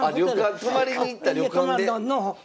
泊まりに行った旅館で。